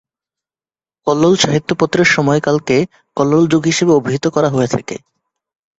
কল্লোল সাহিত্য পত্রের সময়কালকে কল্লোল যুগ হিসাবে অভিহিত করা হয়ে থাকে।